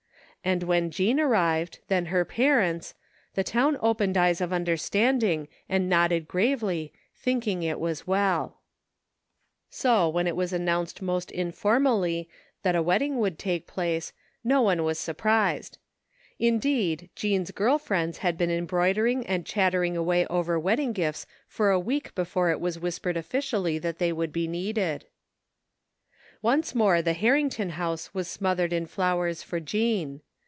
And when Jean arrived, then her parents, the town opened eyes of un derstanding and nodded gravely, thinking it was well So when it was announced most informally that a wedding would take place no one was surprised. In deed, Jean's girl friends had been, embroidering and chattering away over wedding gifts for a week before it was whispered officially that they would be needed Once more the Harrington bouse was smothered in 271 THE FINDING OF JASFEB HOLT flowers for Jean.